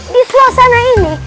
di suasana ini